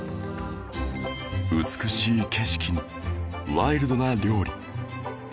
美しい景色にワイルドな料理